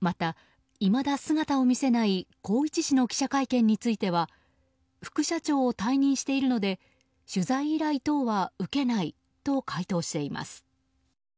また、いまだ姿を見せない宏一氏の記者会見については副社長を退任しているので取材依頼等は受けないと回答しています。